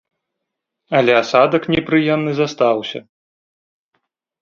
Але асадак непрыемны застаўся.